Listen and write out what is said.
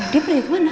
dia pergi kemana